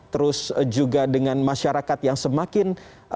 terus juga dengan masyarakat yang semakin